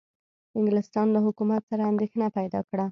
انګلستان له حکومت سره اندېښنه پیدا کړه.